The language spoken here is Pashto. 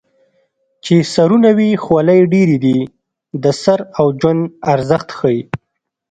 چې سرونه وي خولۍ ډېرې دي د سر او ژوند ارزښت ښيي